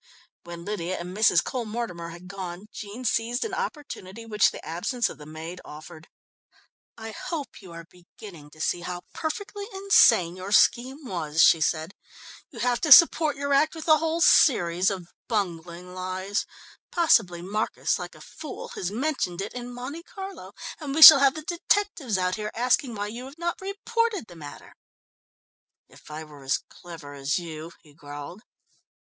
When Lydia and Mrs. Cole Mortimer had gone, Jean seized an opportunity which the absence of the maid offered. "I hope you are beginning to see how perfectly insane your scheme was," she said. "You have to support your act with a whole series of bungling lies. Possibly Marcus, like a fool, has mentioned it in Monte Carlo, and we shall have the detectives out here asking why you have not reported the matter." "If I were as clever as you " he growled.